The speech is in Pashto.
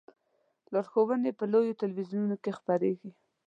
لارښوونې په لویو تلویزیونونو کې خپریږي.